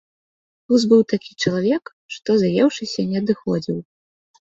Гуз быў такі чалавек, што, заеўшыся, не адыходзіў.